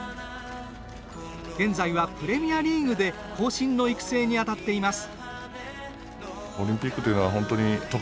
現在はプレミアリーグで後進の育成に当たっています。